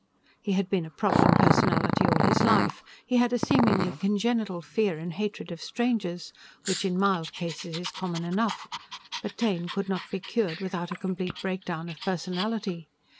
He had been a problem personality all his life. He had a seemingly congenital fear and hatred of strangers which in mild cases is common enough, but Taine could not be cured without a complete breakdown of personality.